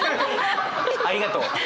ありがとう。